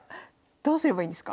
どうすればいいんですか？